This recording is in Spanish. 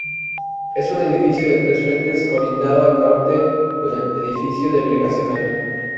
Es un edificio de tres frentes colindando al norte con el edificio delegacional.